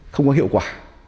không có hiệu quả